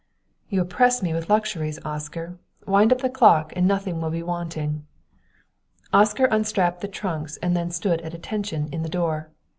"You oppress me with luxuries, Oscar. Wind up the clock, and nothing will be wanting." Oscar unstrapped the trunks and then stood at attention in the door.